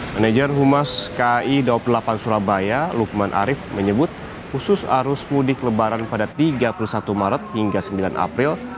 manager humas kai dua puluh delapan surabaya lukman arief menyebut khusus arus mudik lebaran pada tiga puluh satu maret hingga sembilan april